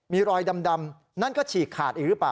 มีรอยดำนั่นก็ฉีกขาดอีกหรือเปล่า